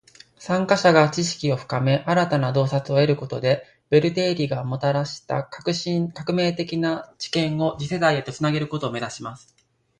参加者が知識を深め，新たな洞察を得ることで，ベル定理がもたらした革命的な知見を次世代へと繋げることを目指します．